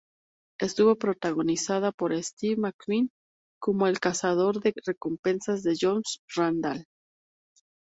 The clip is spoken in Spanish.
Estuvo protagonizada por Steve McQueen, como el cazador de recompensas Josh Randall.